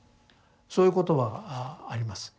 そういう言葉があります。